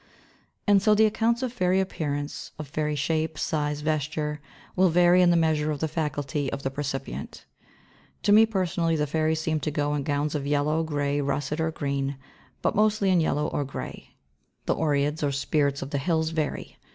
And so the accounts of fairy appearance, of fairy shape, size, vesture, will vary in the measure of the faculty of the percipient. To me, personally, the fairies seem to go in gowns of yellow, grey, russet or green, but mostly in yellow or grey. The Oreads or Spirits of the hills vary.